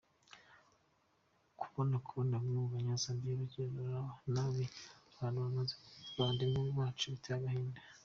Kubona Kubona bamwe mu Banyazambiya bagirira nabi abantu bamaze kuba abavandimwe bacu biteye agahinda.